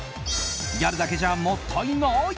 ギャルだけじゃもったいない！